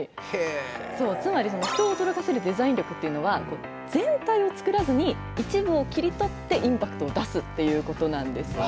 つまり人を驚かせるデザイン力っていうのは全体を作らずに一部を切り取ってインパクトを出すっていうことなんですね。